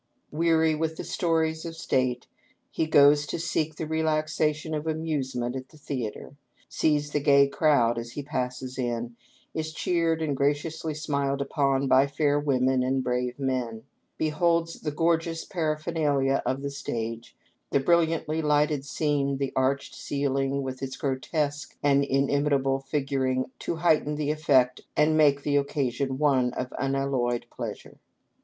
" Weary with the stories of state, he goes to seek the relaxa tion of amusement at the theatre ; sees the gay crowd as he passes in ; is cheered and graciously smiled upon by fair women and brave men; beholds the gorgeous paraphernalia of the stage, the briUiantly lighted scene, the arched ceiling, with its grotesque and inimitable figuring to heighten the effect and makp the occasion one of unalloyed pleasure.